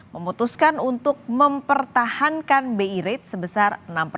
memutuskan untuk mempertahankan bi rate sebesar